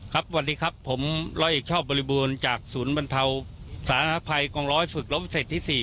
ครับวันนี้ครับผมรเอกชอบบริบูรณ์จากศูนย์บรรเทาศาลภัยกรรมร้อยฝึกรบเศรษฐ์ที่๔